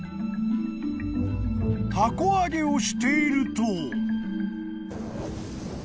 ［たこ揚げをしていると］